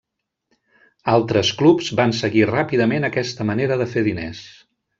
Altres clubs van seguir ràpidament aquesta manera de fer diners.